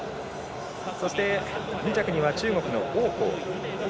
そして、２着には中国の王浩。